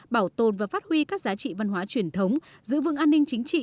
bảo tồn và phát huy các giá trị văn hóa truyền thống giữ vững an ninh chính trị